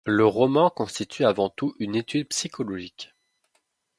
Le roman constitue avant tout une étude psychologique.